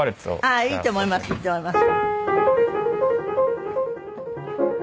ああいいと思いますいいと思います。